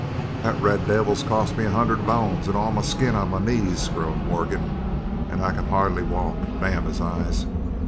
"That red devil has cost me a hundred bones and all the skin on my knees," groaned Morgan, "and I can hardly walk. Damn his eyes.